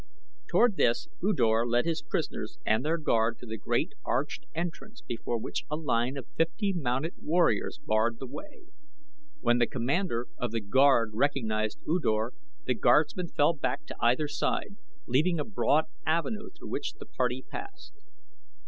Toward this U Dor led his prisoners and their guard to the great arched entrance before which a line of fifty mounted warriors barred the way. When the commander of the guard recognized U Dor the guardsmen fell back to either side leaving a broad avenue through which the party passed.